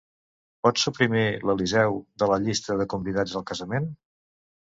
Pots suprimir l'Eliseu de la llista de convidats al casament?